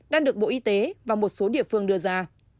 đang được bộ y tế và một số địa phương đưa ra